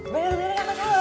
benar benar tidak kesal